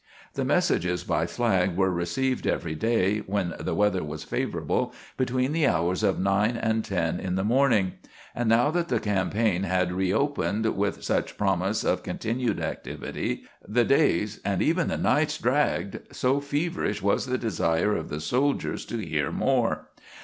The messages by flag were received every day, when the weather was favorable, between the hours of nine and ten in the morning; and now that the campaign had reopened with such promise of continued activity, the days, and even the nights, dragged, so feverish was the desire of the soldiers to hear more.